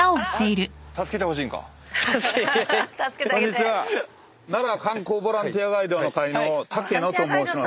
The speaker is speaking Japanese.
［まずは］なら・観光ボランティアガイドの会の武野と申します。